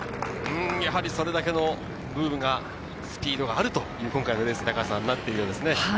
それだけのスピードがあるということですね。